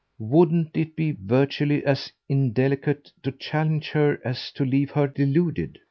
Wouldn't it be virtually as indelicate to challenge her as to leave her deluded?